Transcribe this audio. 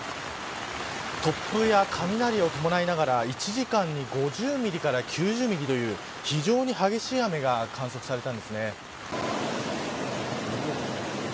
突風や雷を伴いながら１時間に５０ミリから９０ミリという非常に激しい雨が観測されたんですね。